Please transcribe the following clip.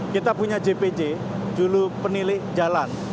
kita punya jpj julu penilik jalan